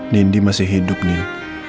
nini masih hidup nini